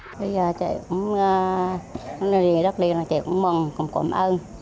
bây giờ chị cũng mừng cũng cảm ơn